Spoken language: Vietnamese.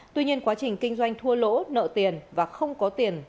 tuy nhiên quá trình kinh doanh thua lỗ nợ tiền và không có tiền